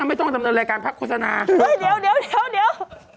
ท่านไม่ต้องทำรายการพักโฆษณาเดี๋ยว